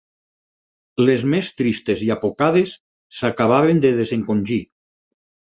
Les més tristes i apocades s'acabaven de desencongir